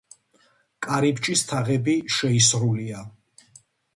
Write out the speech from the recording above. კარიბჭის თაღები შეისრულია.